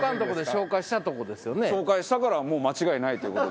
紹介したからもう間違いないという事。